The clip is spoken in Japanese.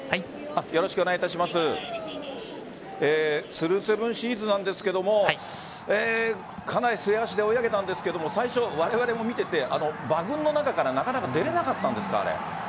スルーセブンシーズなんですがかなり末脚で追い上げたんですが最初、われわれも見ていて馬群の中からなかなか出れなかったんですか？